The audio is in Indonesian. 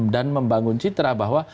dan membangun citra bahwa